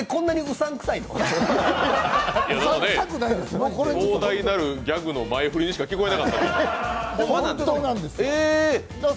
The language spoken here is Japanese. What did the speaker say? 壮大なるギャグの前振りにしか聞こえなかった。